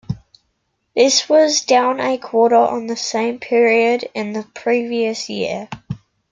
This was down a quarter on the same period in the previous year.